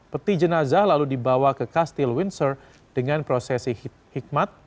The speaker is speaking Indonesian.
peti jenazah lalu dibawa ke kastil windsor dengan prosesi hikmat